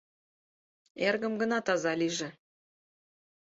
Эргым гына таза лийже.